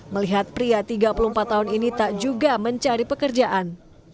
melihat pria tiga puluh empat tahun ini tak juga mencari pekerjaan